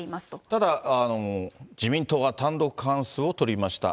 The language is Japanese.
ただ、自民党が単独過半数を取りました。